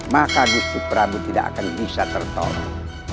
maka gusti prabu tidak akan bisa tertolak